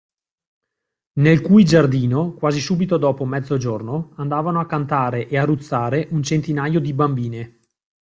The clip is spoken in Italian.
Nel cui giardino, quasi subito dopo mezzogiorno, andavano a cantare e a ruzzare un centinaio di bambine.